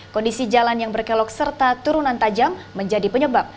kondisi jalan yang berkelok serta turunan tajam menjadi penyebab